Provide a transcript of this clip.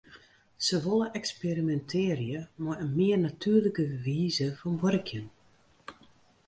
Se wolle eksperimintearje mei in mear natuerlike wize fan buorkjen.